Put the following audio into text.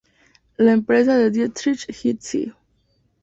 La empresa De Dietrich et Cie.